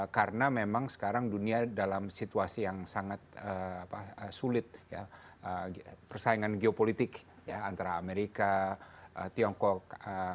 karena memang sekarang dunia dalam situasi yang sangat sulit persaingan geopolitik antara amerika tiongkok